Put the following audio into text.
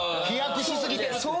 飛躍し過ぎてる。